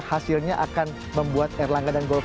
terima kasih pak erlangga hartarto